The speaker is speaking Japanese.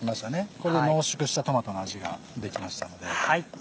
これで濃縮したトマトの味ができましたので。